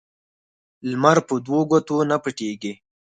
لمر په دوو ګوتو نه پټيږي.